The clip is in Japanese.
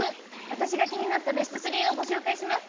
私が気になったＢＥＳＴ３をご紹介します。